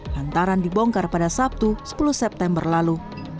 hantaran dibongkar pada sabtu sepuluh september lalu